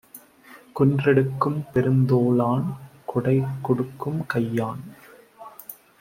குன்றெடுக்கும் பெருந்தோளான் கொடைகொடுக்கும் கையான்!